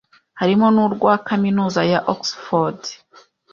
harimo n'urwa Kaminuza ya Oxford